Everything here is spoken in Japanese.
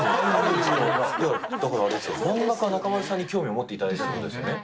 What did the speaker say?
いや、だから、漫画家、中丸さんに興味を持っていただいたということですよね。